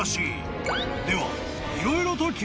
［では］